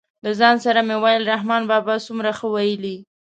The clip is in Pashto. له ځان سره مې ویل رحمان بابا څومره ښه ویلي.